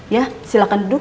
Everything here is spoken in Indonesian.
ya silahkan duduk